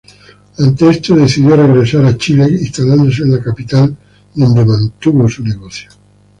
Ante esto, decidió regresar a Chile, instalándose en la capital, donde mantuvo su negocio.